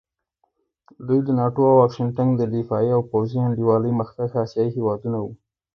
دوی د ناټو او واشنګټن د دفاعي او پوځي انډیوالۍ مخکښ اسیایي هېواد وو.